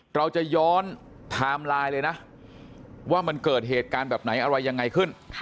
เราจะย้อนไทม์ไลน์เลยนะว่ามันเกิดเหตุการณ์แบบไหนอะไรยังไงขึ้น